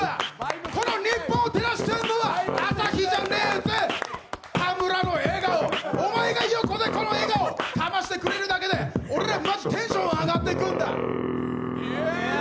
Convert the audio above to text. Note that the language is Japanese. この日本を照らしてるのは朝日じゃねぇぜ、田村の笑顔、お前が横でこの笑顔、かましてくれるだけで俺はマジテンション上がってくんだ！